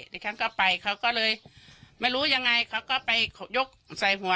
ดิฉันก็ไปเขาก็เลยไม่รู้ยังไงเขาก็ไปยกใส่หัว